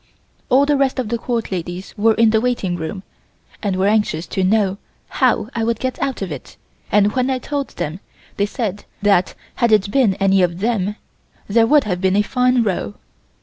All the rest of the Court ladies were in the waiting room and were anxious to know how I would get out of it, and when I told them they said that had it been any of them there would have been a fine row.